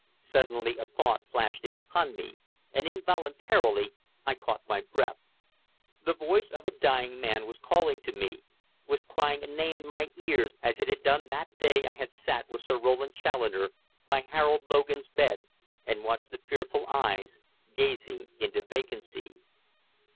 Suddenly a thought flashed in upon me, and involuntarily I caught my breath. The voice of a dying man was calling to me, was crying a name in my ears as it had done that day I had sat with Sir Roland Challoner by Harold Logan's bed and watched the fearful eyes gazing into vacancy.